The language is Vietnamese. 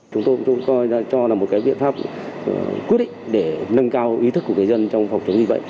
chúng tôi cũng coi cho là một cái biện pháp quyết định để nâng cao ý thức của người dân trong phòng chống dịch bệnh